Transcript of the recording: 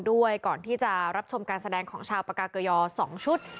ด้วยก่อนที่จะรับชมการแสดงของชาวปากาเกยอ๒ชุด